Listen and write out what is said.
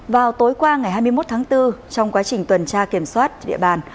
vào tối qua ngày hai mươi một tháng bốn trong quá trình tuần tra kiểm soát địa bàn